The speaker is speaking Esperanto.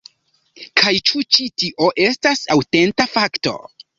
Kaj ĉu ĉi-tio estas aŭtenta fakto?